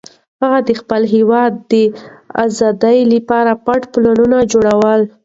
هغه د خپل هېواد د ازادۍ لپاره پټ پلانونه جوړول.